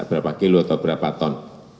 berapa kilo atau berapa ton